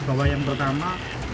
bahwa yang pertama